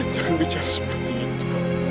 jangan bicara seperti itu